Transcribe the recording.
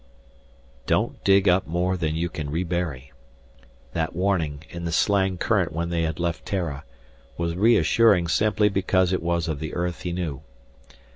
"Don't dig up more than you can rebury." That warning, in the slang current when they had left Terra, was reassuring simply because it was of the earth he knew.